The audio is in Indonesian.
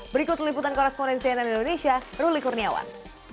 berikut liputan korespondensi ann indonesia ruli kurniawan